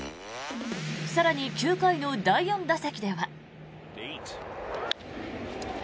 更に、９回の第４打席では。